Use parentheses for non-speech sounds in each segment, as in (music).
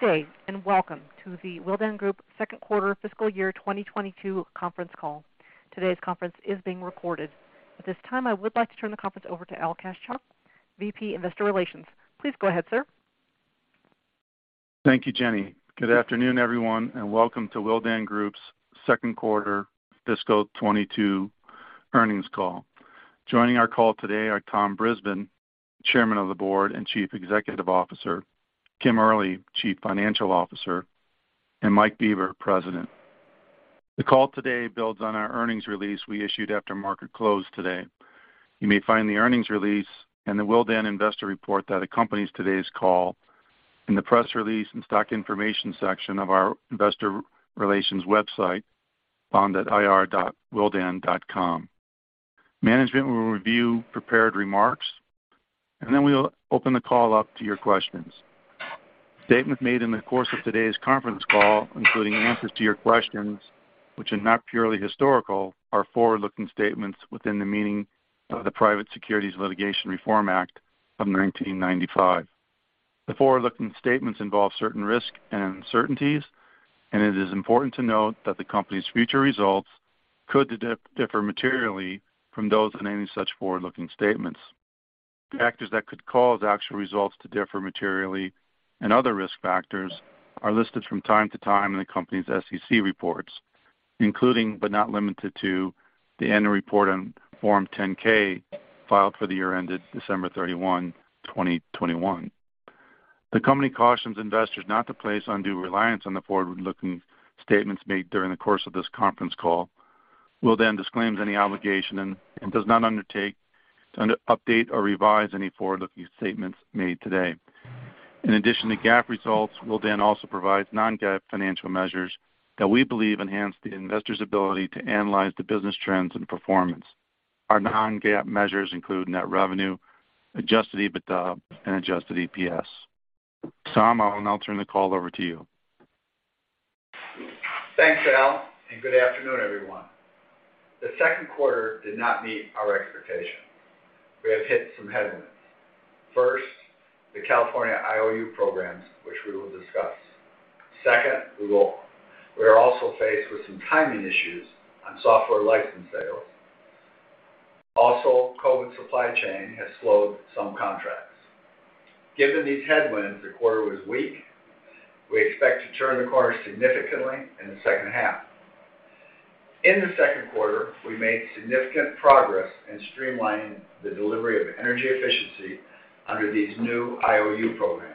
Good day, and welcome to the Willdan Group second quarter fiscal year 2022 conference call. Today's conference is being recorded. At this time, I would like to turn the conference over to Al Kaschalk, VP, Investor Relations. Please go ahead, sir. Thank you, Jenny. Good afternoon, everyone, and welcome to Willdan Group's second quarter fiscal 2022 earnings call. Joining our call today are Tom Brisbin, Chairman of the Board and Chief Executive Officer, Kim Early, Chief Financial Officer, and Mike Bieber, President. The call today builds on our earnings release we issued after market close today. You may find the earnings release and the Willdan investor report that accompanies today's call in the press release and stock information section of our investor relations website found at ir.willdan.com. Management will review prepared remarks, and then we'll open the call up to your questions. Statements made in the course of today's conference call, including answers to your questions which are not purely historical, are forward-looking statements within the meaning of the Private Securities Litigation Reform Act of 1995. The forward-looking statements involve certain risks and uncertainties, and it is important to note that the company's future results could differ materially from those in any such forward-looking statements. Factors that could cause actual results to differ materially and other risk factors are listed from time to time in the company's SEC reports, including but not limited to the annual report on Form 10-K filed for the year ended December 31, 2021. The company cautions investors not to place undue reliance on the forward-looking statements made during the course of this conference call. Willdan disclaims any obligation and does not undertake to update or revise any forward-looking statements made today. In addition to GAAP results, Willdan also provides non-GAAP financial measures that we believe enhance the investor's ability to analyze the business trends and performance. Our non-GAAP measures include net revenue, Adjusted EBITDA, and Adjusted EPS. Tom, I'll now turn the call over to you. Thanks, Al, and good afternoon, everyone. The second quarter did not meet our expectation. We have hit some headwinds. First, the California IOU programs, which we will discuss. Second, we are also faced with some timing issues on software license sales. Also, COVID supply chain has slowed some contracts. Given these headwinds, the quarter was weak. We expect to turn the corner significantly in the second half. In the second quarter, we made significant progress in streamlining the delivery of energy efficiency under these new IOU programs.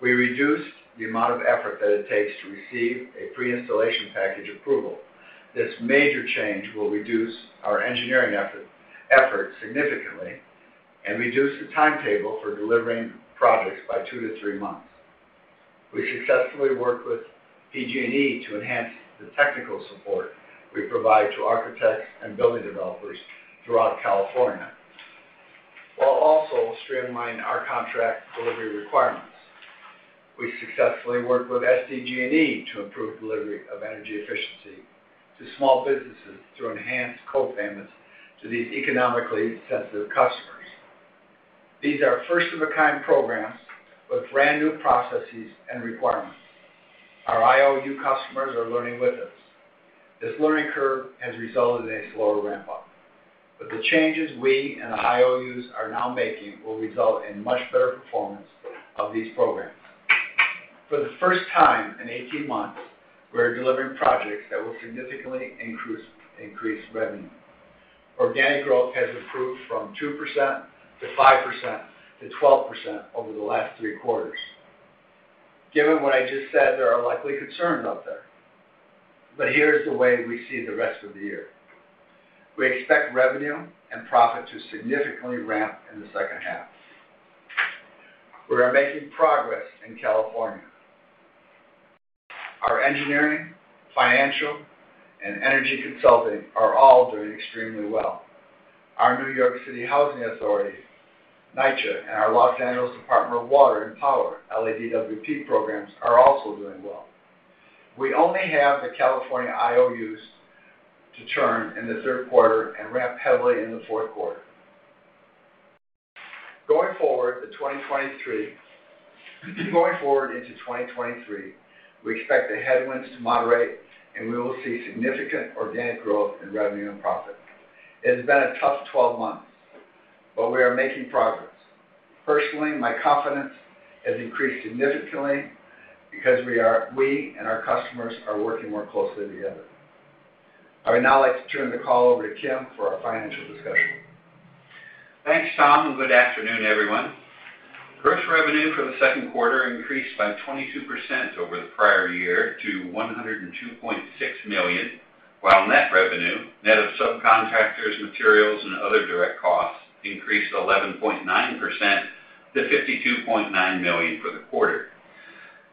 We reduced the amount of effort that it takes to receive a pre-installation package approval. This major change will reduce our engineering effort significantly and reduce the timetable for delivering projects by two to three months. We successfully worked with PG&E to enhance the technical support we provide to architects and building developers throughout California, while also streamlining our contract delivery requirements. We successfully worked with SDG&E to improve delivery of energy efficiency to small businesses through enhanced co-payments to these economically sensitive customers. These are first of a kind programs with brand-new processes and requirements. Our IOU customers are learning with us. This learning curve has resulted in a slower ramp-up, but the changes we and the IOUs are now making will result in much better performance of these programs. For the first time in eighteen months, we are delivering projects that will significantly increase revenue. Organic growth has improved from 2%-5%-12% over the last three quarters. Given what I just said, there are likely concerns out there, but here is the way we see the rest of the year. We expect revenue and profit to significantly ramp in the second half. We are making progress in California. Our engineering, financial, and energy consulting are all doing extremely well. Our New York City Housing Authority, NYCHA, and our Los Angeles Department of Water and Power, LADWP, programs are also doing well. We only have the California IOUs to churn in the third quarter and ramp heavily in the fourth quarter. Going forward into 2023, we expect the headwinds to moderate, and we will see significant organic growth in revenue and profit. It has been a tough 12-months, but we are making progress. Personally, my confidence has increased significantly because we and our customers are working more closely together. I would now like to turn the call over to Kim for our financial discussion. Thanks, Tom, and good afternoon, everyone. Gross revenue for the second quarter increased by 22% over the prior year to $102.6 million, while net revenue, net of subcontractors, materials, and other direct costs, increased 11.9% to $52.9 million for the quarter.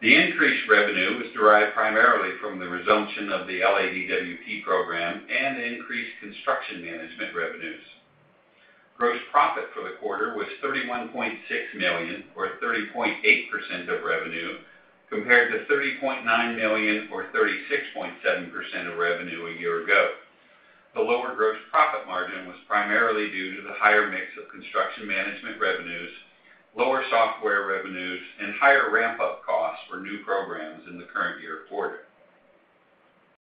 The increased revenue was derived primarily from the resumption of the LADWP program and the increased construction management revenues. Gross profit for the quarter was $31.6 million or 30.8% of revenue compared to $30.9 million or 36.7% of revenue a year ago. The lower gross profit margin was primarily due to the higher mix of construction management revenues, lower software revenues, and higher ramp-up costs for new programs in the current year quarter.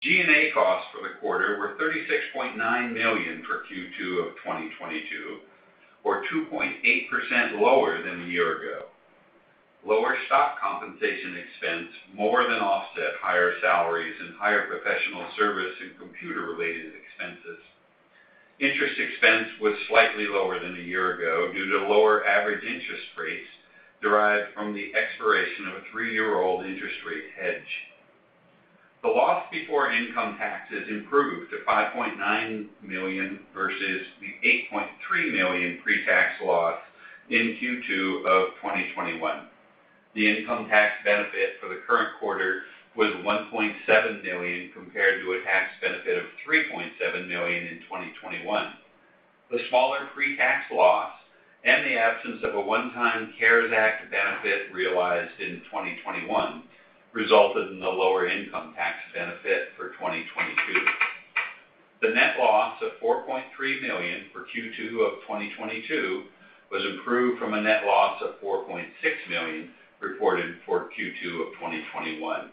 G&A costs for the quarter were $36.9 million for Q2 of 2022, or 2.8% lower than a year ago. Lower stock compensation expense more than offset higher salaries and higher professional service and computer-related expenses. Interest expense was slightly lower than a year ago due to lower average interest rates derived from the expiration of a three-year-old interest rate hedge. The loss before income taxes improved to $5.9 million versus the $8.3 million pre-tax loss in Q2 of 2021. The income tax benefit for the current quarter was $1.7 million compared to a tax benefit of $3.7 million in 2021. The smaller pre-tax loss and the absence of a one-time CARES Act benefit realized in 2021 resulted in the lower income tax benefit for 2022. The net loss of $4.3 million for Q2 of 2022 was improved from a net loss of $4.6 million reported for Q2 of 2021.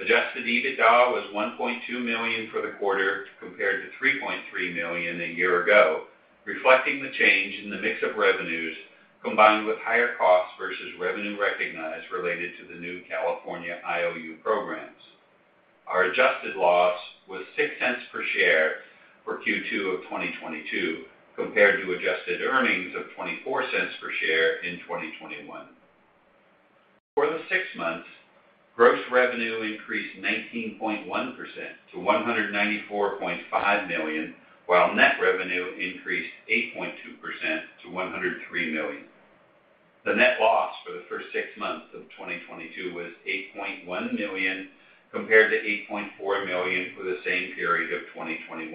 Adjusted EBITDA was $1.2 million for the quarter, compared to $3.3 million a year ago, reflecting the change in the mix of revenues, combined with higher costs versus revenue recognized related to the new California IOU programs. Our adjusted loss was $0.06 per share for Q2 of 2022, compared to adjusted earnings of $0.24 per share in 2021. For the six months, gross revenue increased 19.1% to $194.5 million, while net revenue increased 8.2% to $103 million. The net loss for the first six months of 2022 was $8.1 million, compared to $8.4 million for the same period of 2021.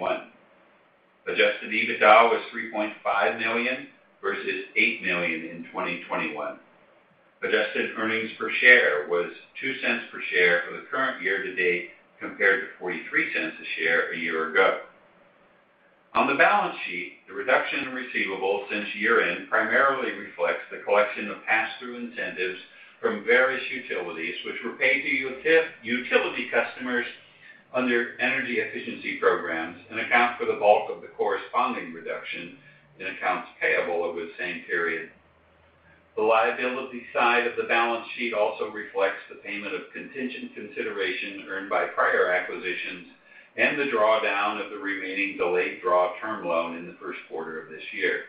Adjusted EBITDA was $3.5 million versus $8 million in 2021. Adjusted earnings per share was $0.02 per share for the current year to date, compared to $0.43 per share a year ago. On the balance sheet, the reduction in receivables since year-end primarily reflects the collection of pass-through incentives from various utilities, which were paid to utility customers under energy efficiency programs and account for the bulk of the corresponding reduction in accounts payable over the same period. The liability side of the balance sheet also reflects the payment of contingent consideration earned by prior acquisitions and the drawdown of the remaining delayed draw term loan in the first quarter of this year.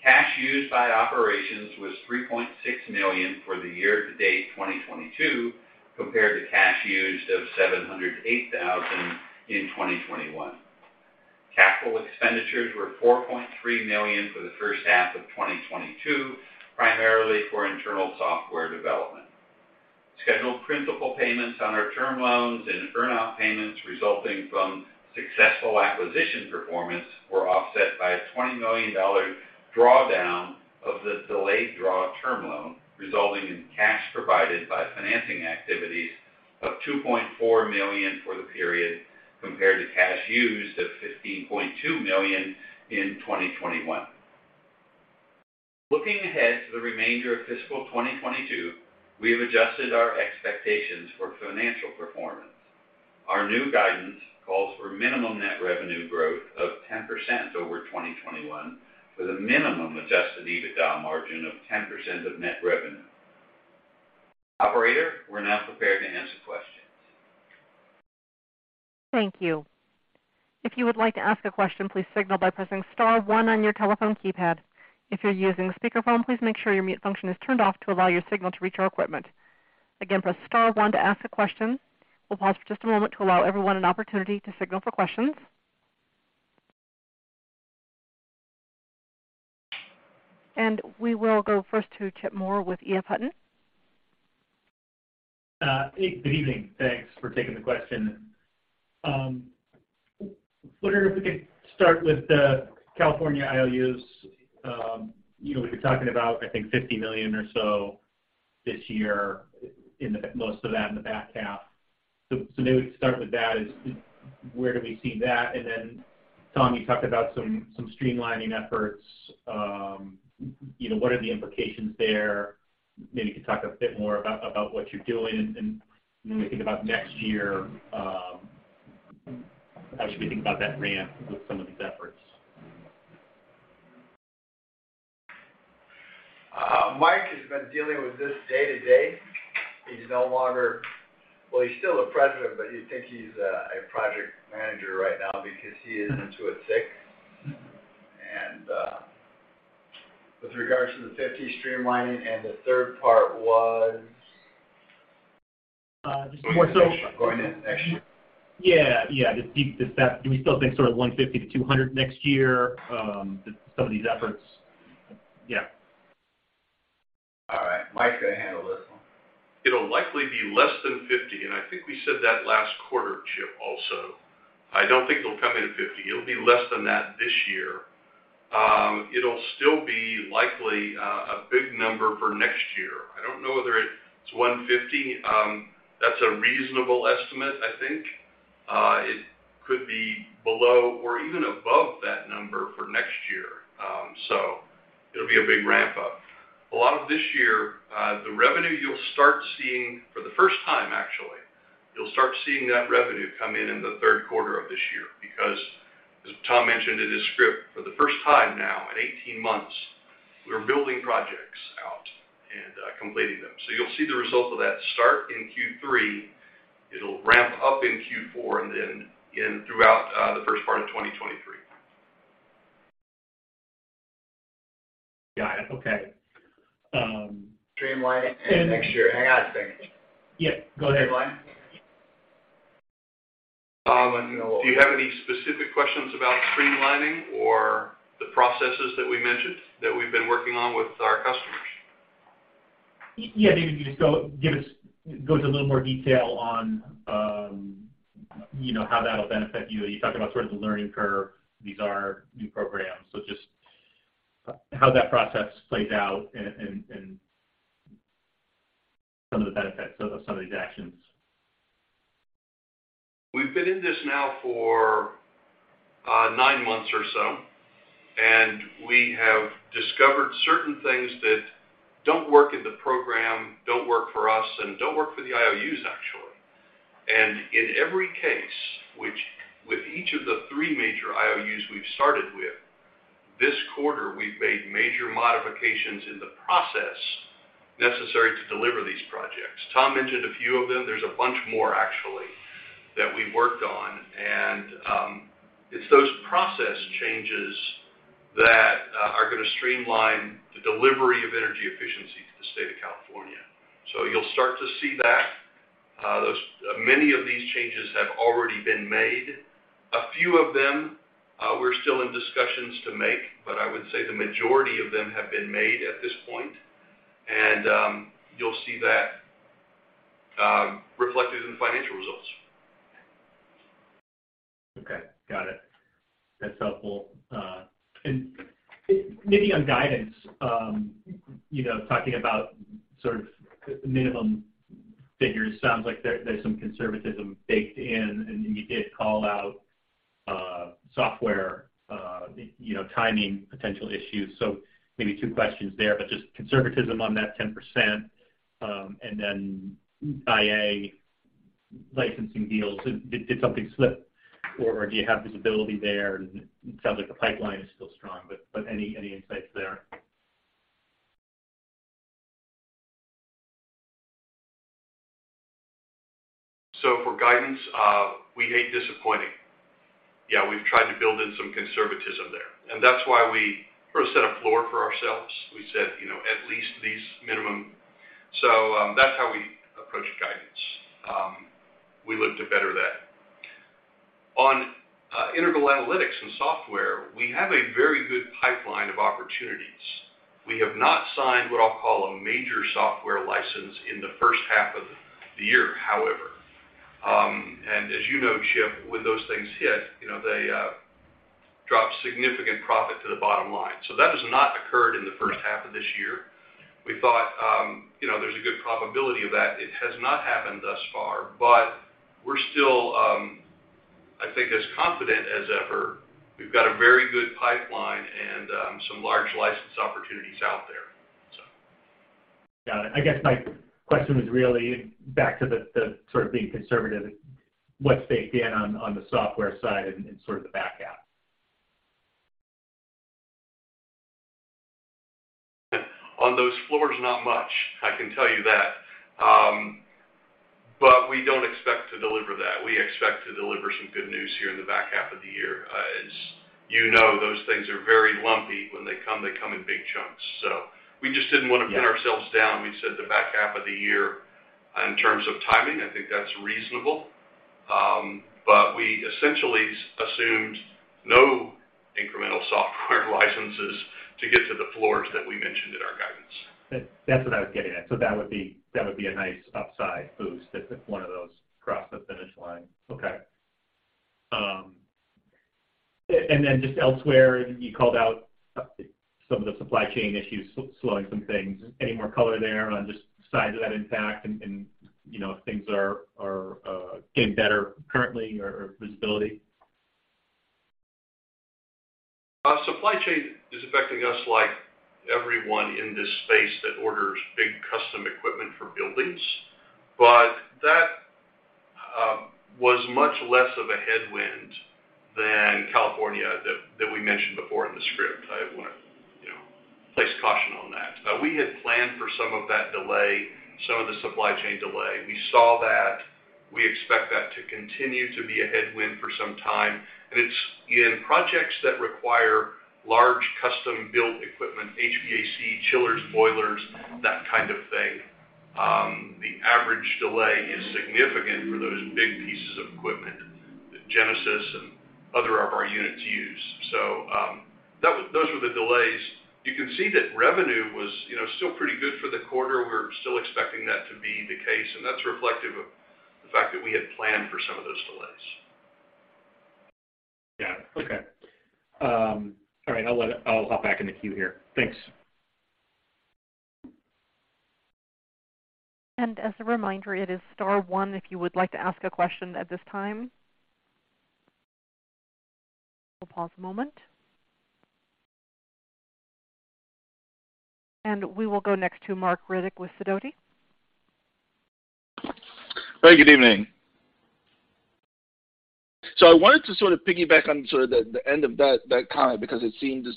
Cash used by operations was $3.6 million for the year to date 2022, compared to cash used of $708 thousand in 2021. Capital expenditures were $4.3 million for the first half of 2022, primarily for internal software development. Scheduled principal payments on our term loans and earn-out payments resulting from successful acquisition performance were offset by a $20 million drawdown of the delayed draw term loan, resulting in cash provided by financing activities of $2.4 million for the period, compared to cash used of $15.2 million in 2021. Looking ahead to the remainder of fiscal 2022, we have adjusted our expectations for financial performance. Our new guidance calls for minimum net revenue growth of 10% over 2021, with a minimum Adjusted EBITDA margin of 10% of net revenue. Operator, we're now prepared to answer questions. Thank you. If you would like to ask a question, please signal by pressing star one on your telephone keypad. If you're using a speakerphone, please make sure your mute function is turned off to allow your signal to reach our equipment. Again, press star one to ask a question. We'll pause for just a moment to allow everyone an opportunity to signal for questions. We will go first to Tim Moore with EF Hutton. Hey, good evening. Thanks for taking the question. Wondering if we could start with the California IOUs. You know, we've been talking about, I think, $50 million or so this year, most of that in the back half. Maybe to start with that is where do we see that? Tom, you talked about some streamlining efforts. You know, what are the implications there? Maybe you could talk a bit more about what you're doing and when we think about next year, how should we think about that ramp with some of these efforts? Mike has been dealing with this day to day. He's still the president, but you'd think he's a project manager right now because he is into it thick. With regards to the 50 streamlining, and the third part was? Uh, just more so- Going in next year. Yeah, yeah. Just that, do we still think sort of 150-200 next year, some of these efforts? Yeah. All right. Mike's gonna handle this one. It'll likely be less than 50, and I think we said that last quarter, Tim, also. I don't think it'll come in at 50. It'll be less than that this year. It'll still be likely a big number for next year. I don't know whether it's 150. That's a reasonable estimate, I think. It could be below or even above that number for next year. It'll be a big ramp-up. A lot of this year, the revenue you'll start seeing for the first time, actually, you'll start seeing that revenue come in in the third quarter of this year, because as Tom mentioned in his script, for the first time now in 18 months, we're building projects out and completing them. You'll see the results of that start in Q3. It'll ramp up in Q4, and then again throughout the first part of 2023. Got it. Okay. Streamlining and next year. Hang on a second. Yeah, go ahead. (inaudible) Do you have any specific questions about streamlining or the processes that we mentioned that we've been working on with our customers? Yeah. Maybe you just go into a little more detail on, you know, how that'll benefit you. You talked about sort of the learning curve. These are new programs. Just how that process plays out and some of the benefits of some of these actions. We've been in this now for nine months or so, and we have discovered certain things that don't work in the program, don't work for us, and don't work for the IOUs, actually. In every case with each of the three major IOUs we've started with, this quarter, we've made major modifications in the process necessary to deliver these projects. Tom mentioned a few of them. There's a bunch more actually that we worked on. It's those process changes that are gonna streamline the delivery of energy efficiency to the state of California. You'll start to see that. Many of these changes have already been made. A few of them, we're still in discussions to make, but I would say the majority of them have been made at this point. You'll see that reflected in the financial results. Okay. Got it. That's helpful. And maybe on guidance, you know, talking about sort of minimum figures, sounds like there's some conservatism baked in, and you did call out software, you know, timing potential issues. Maybe two questions there, but just conservatism on that 10%, and then IA licensing deals. Did something slip or do you have visibility there? It sounds like the pipeline is still strong, but any insights there. For guidance, we hate disappointing. Yeah, we've tried to build in some conservatism there. That's why we first set a floor for ourselves. We said, you know, at least these minimum. That's how we approach guidance. We look to better that. On Integral Analytics and software, we have a very good pipeline of opportunities. We have not signed what I'll call a major software license in the first half of the year, however. As you know, Tim, when those things hit, you know, they drop significant profit to the bottom line. That has not occurred in the first half of this year. We thought, you know, there's a good probability of that. It has not happened thus far, but we're still, I think as confident as ever. We've got a very good pipeline and some large license opportunities out there. Got it. I guess my question was really back to the sort of being conservative. What's baked in on the software side and sort of the back half? On those floors, not much. I can tell you that. We don't expect to deliver that. We expect to deliver some good news here in the back half of the year. As you know, those things are very lumpy. When they come, they come in big chunks. We just didn't want to pin ourselves down. We said the back half of the year in terms of timing. I think that's reasonable. We essentially assumed no incremental software licenses to get to the floors that we mentioned in our guidance. That's what I was getting at. That would be a nice upside boost if one of those crossed the finish line. Okay. Just elsewhere, you called out some of the supply chain issues slowing some things. Any more color there on just size of that impact and you know if things are getting better currently or visibility? Supply chain is affecting us like everyone in this space that orders big custom equipment for buildings. But that was much less of a headwind than California that we mentioned before in the script. I wanna, you know, place caution on that. We had planned for some of that delay, some of the supply chain delay. We saw that. We expect that to continue to be a headwind for some time. It's in projects that require large custom-built equipment, HVAC, chillers, boilers, that kind of thing. The average delay is significant for those big pieces of equipment that Genesys and other of our units use. You can see that revenue was, you know, still pretty good for the quarter. We're still expecting that to be the case, and that's reflective of the fact that we had planned for some of those delays. Yeah. Okay. All right. I'll hop back in the queue here. Thanks. As a reminder, it is star one if you would like to ask a question at this time. We'll pause a moment. We will go next to Marc Riddick with Sidoti. Hey, good evening. I wanted to sort of piggyback on sort of the end of that comment because it seems as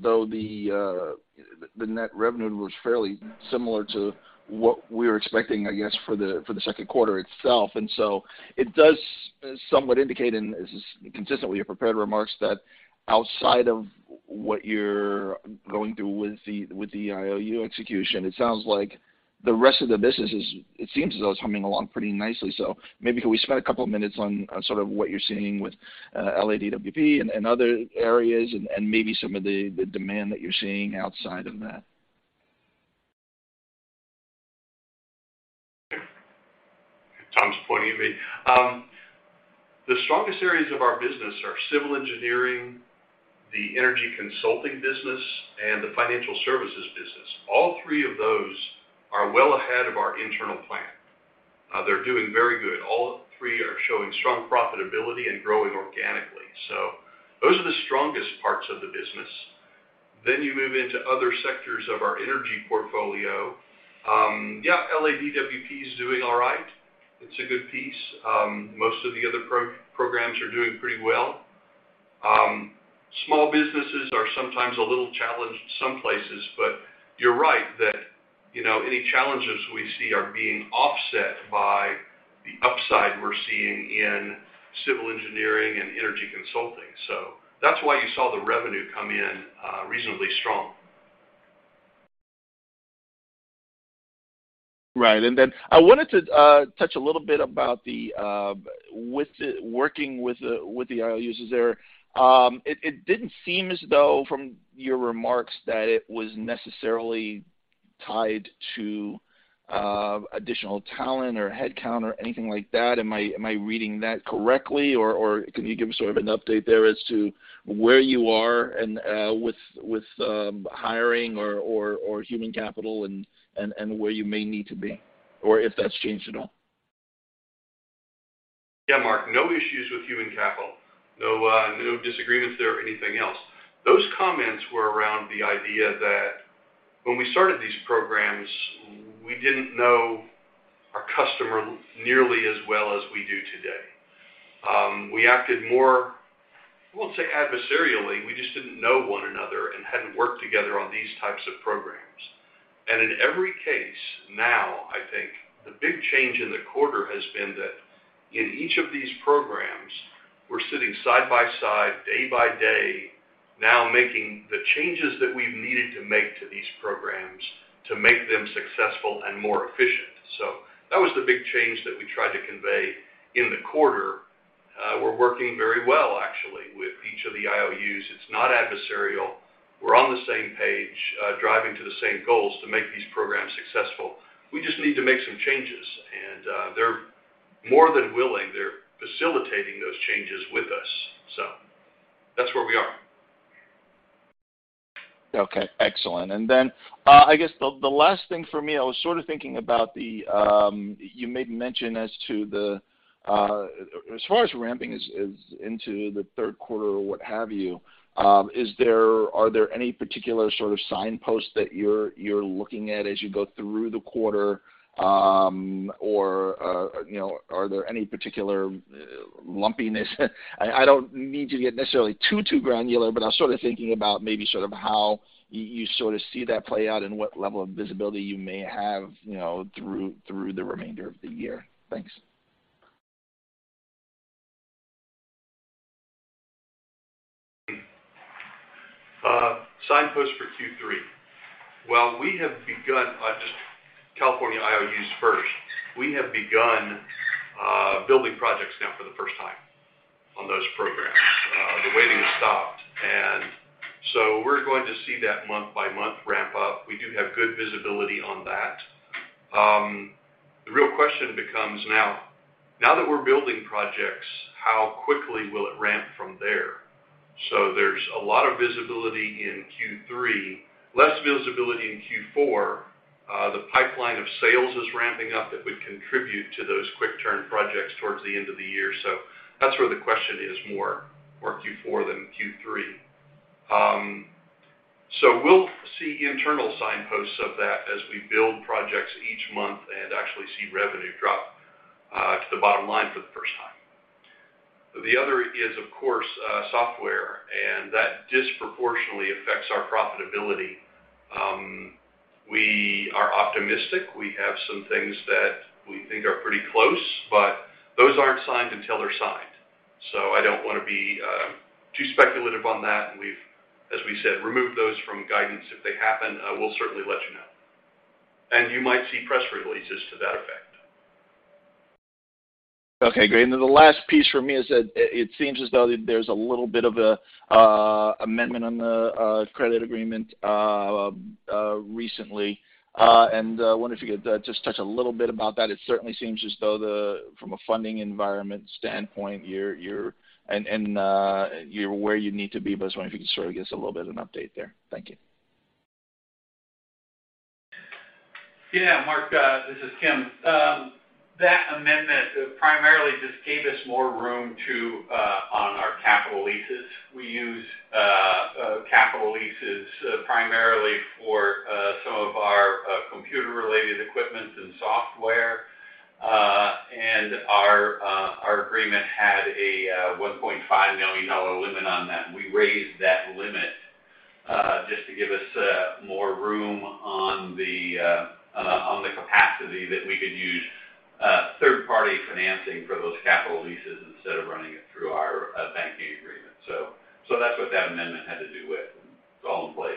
though the net revenue was fairly similar to what we were expecting, I guess, for the second quarter itself. It does somewhat indicate, and this is consistent with your prepared remarks, that outside of what you're going through with the IOU execution, it sounds like the rest of the business is. It seems as though it's humming along pretty nicely. Maybe can we spend a couple minutes on sort of what you're seeing with LADWP and other areas and maybe some of the demand that you're seeing outside of that? Tom's pointing at me. The strongest areas of our business are civil engineering, the energy consulting business, and the financial services business. All three of those are well ahead of our internal plan. They're doing very good. All three are showing strong profitability and growing organically. Those are the strongest parts of the business. You move into other sectors of our energy portfolio. LADWP is doing all right. It's a good piece. Most of the other programs are doing pretty well. Small businesses are sometimes a little challenged some places, but you're right that, you know, any challenges we see are being offset by the upside we're seeing in civil engineering and energy consulting. That's why you saw the revenue come in, reasonably strong. Right. I wanted to touch a little bit about working with the IOUs there. It didn't seem as though, from your remarks, that it was necessarily tied to additional talent or headcount or anything like that. Am I reading that correctly? Or can you give sort of an update there as to where you are and with hiring or human capital and where you may need to be, or if that's changed at all? Yeah, Marc, no issues with human capital. No, no disagreements there or anything else. Those comments were around the idea that when we started these programs, we didn't know our customer nearly as well as we do today. We acted more, I won't say adversarially, we just didn't know one another and hadn't worked together on these types of programs. In every case now, I think the big change in the quarter has been that in each of these programs, we're sitting side by side, day by day, now making the changes that we've needed to make to these programs to make them successful and more efficient. That was the big change that we tried to convey in the quarter. We're working very well actually, with each of the IOUs. It's not adversarial. We're on the same page, driving to the same goals to make these programs successful. We just need to make some changes. They're more than willing. They're facilitating those changes with us. That's where we are. Okay, excellent. I guess the last thing for me. I was sort of thinking about, you made mention as to, as far as ramping up into the third quarter or what have you. Are there any particular sort of signposts that you're looking at as you go through the quarter? You know, are there any particular lumpiness? I don't need you to get necessarily too granular, but I was sort of thinking about maybe sort of how you sort of see that play out and what level of visibility you may have, you know, through the remainder of the year. Thanks. Signposts for Q3. Well, we have begun just California IOUs first. We have begun building projects now for the first time on those programs. The waiting has stopped, and so we're going to see that month by month ramp up. We do have good visibility on that. The real question becomes now that we're building projects, how quickly will it ramp from there? There's a lot of visibility in Q3, less visibility in Q4. The pipeline of sales is ramping up. That would contribute to those quick turn projects towards the end of the year. That's where the question is more Q4 than Q3. We'll see internal signposts of that as we build projects each month and actually see revenue drop to the bottom line for the first time. The other is, of course, software, and that disproportionately affects our profitability. We are optimistic. We have some things that we think are pretty close, but those aren't signed until they're signed, so I don't wanna be too speculative on that. We've, as we said, removed those from guidance. If they happen, we'll certainly let you know. You might see press releases to that effect. Okay, great. Then the last piece for me is that it seems as though there's a little bit of a amendment on the credit agreement recently. I wonder if you could just touch a little bit about that. It certainly seems as though from a funding environment standpoint, you're and you're where you need to be. I was wondering if you could sort of give us a little bit of an update there. Thank you. Yeah, Marc, this is Kim. That amendment primarily just gave us more room on our capital leases. We use capital leases primarily for some of our computer-related equipment and software. Our agreement had a $1.5 million limit on that, and we raised that limit just to give us more room on the capacity that we could use third-party financing for those capital leases instead of running it through our banking agreement. That's what that amendment had to do with. It's all in place.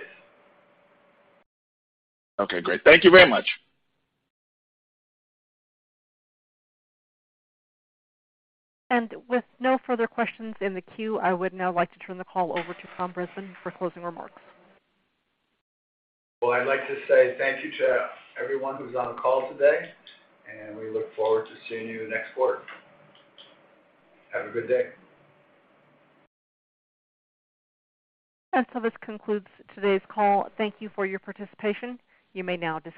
Okay, great. Thank you very much. With no further questions in the queue, I would now like to turn the call over to Tom Brisbin for closing remarks. Well, I'd like to say thank you to everyone who's on the call today, and we look forward to seeing you next quarter. Have a good day. This concludes today's call. Thank you for your participation. You may now disconnect.